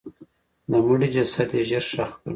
د مړي جسد یې ژر ښخ کړ.